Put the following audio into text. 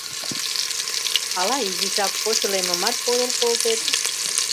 Ала изишак кочо лемымат подыл колтет?